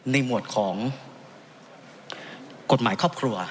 หมวดของกฎหมายครอบครัว